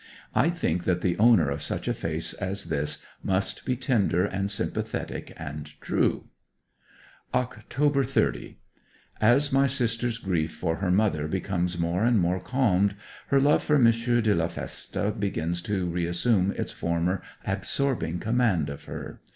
I think that the owner of such a face as this must be tender and sympathetic and true. October 30. As my sister's grief for her mother becomes more and more calmed, her love for M. de la Feste begins to reassume its former absorbing command of her.